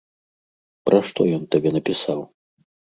Пра што ён табе напісаў?